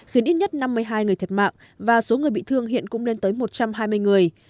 khiến ít nhất năm mươi hai người thiệt mạng và số người bị thương hiện cũng lên tới một trăm hai mươi người